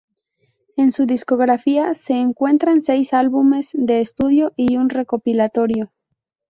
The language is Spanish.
En su discografía se encuentran seis álbumes de estudio y un recopilatorio.